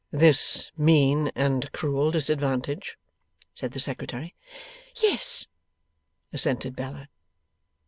'This mean and cruel disadvantage,' said the Secretary. 'Yes,' assented Bella.